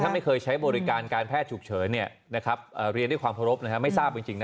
ไม่เคยใช้บริการการแพทย์ฉุกเฉินเรียนด้วยความเคารพไม่ทราบจริง